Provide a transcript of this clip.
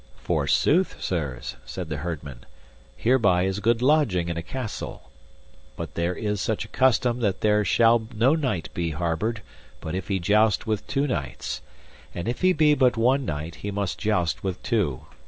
Forsooth, sirs, said the herdmen, hereby is good lodging in a castle; but there is such a custom that there shall no knight be harboured but if he joust with two knights, and if he be but one knight he must joust with two.